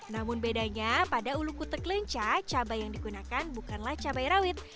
namun bedanya pada ulu kutek lenca cabai yang digunakan bukanlah cabai rawit